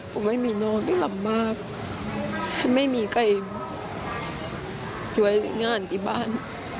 ผมไม่มีนอนไม่กลับบ้าไม่มีใครช่วยงานที่บ้าน